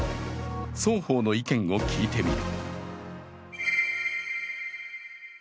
双方の意見を聞いてみる。